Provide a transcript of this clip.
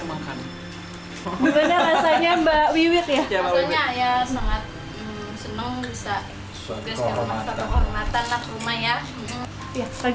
makan bener bener rasanya mbak wiwi ya ya sangat senang bisa suatu hormatan rumah ya